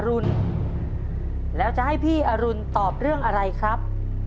รุนแล้วจะให้พี่อรุณตอบเรื่องอะไรครับ